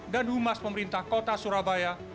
dan humas pemerintah kota surabaya